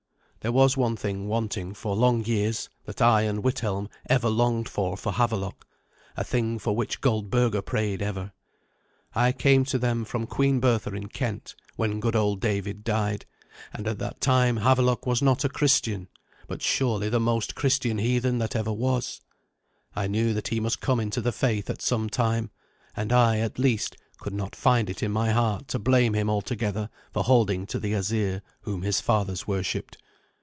There was one thing wanting for long years, that I and Withelm ever longed for for Havelok a thing for which Goldberga prayed ever. I came to them from Queen Bertha in Kent, when good old David died; and at that time Havelok was not a Christian, but surely the most Christian heathen that ever was. I knew that he must come into the faith at some time; and I, at least, could not find it in my heart to blame him altogether for holding to the Asir whom his fathers worshipped.